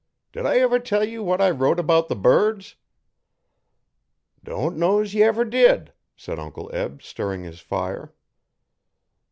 'Did I ever tell ye what I wrote about the birds?' 'Don' know's ye ever did,' said Uncle Eb, stirring his fire.